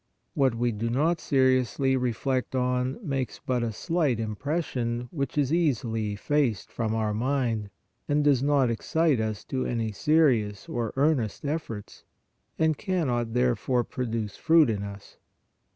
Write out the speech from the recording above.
What we do not seriously reflect on makes but a slight impres sion which is easily effaced from our mind and does 164 PRAYER not excite us to any serious or earnest efforts, and cannot therefore produce fruit in us.